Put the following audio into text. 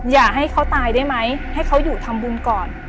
อย่าให้เขาตายได้ไหมให้เขาอยู่ทำบุญก่อน